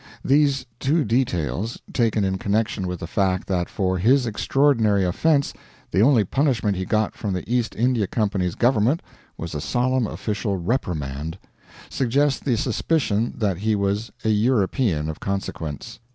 These two details, taken in connection with the fact that for his extraordinary offense the only punishment he got from the East India Company's Government was a solemn official "reprimand" suggest the suspicion that he was a European of consequence.